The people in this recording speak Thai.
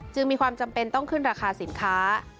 จึงมีความจำเป็นต้องขึ้นราคาสินค้า